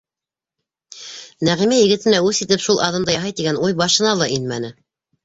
Нәғимә егетенә үс итеп шул аҙымды яһай тигән уй башына ла инмәне.